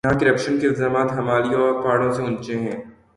یہاں کرپشن کے الزامات ہمالیہ پہاڑوں سے اونچے ہیں۔